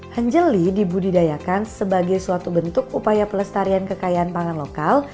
hanjeli dibudidayakan sebagai suatu bentuk upaya pelestarian kekayaan pangan lokal